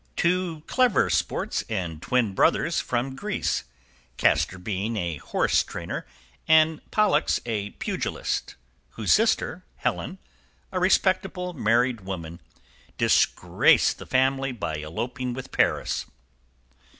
Two clever sports and twin brothers from Greece, Castor being a horse trainer and Pollux a pugilist, whose sister, Helen, a respectable, married woman, disgraced the family by eloping with Paris.